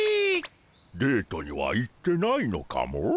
デートには行ってないのかモ。